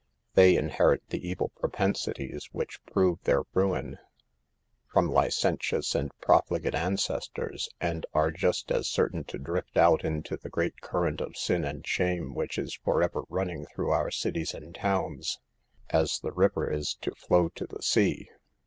They inherit the evil propensities which prove their ruin, from licen tious and profligate ancestors, and are just as certain to drift out into the great current of sin and shame which is forever running through our cities and towns, as the river is to flow to the sea.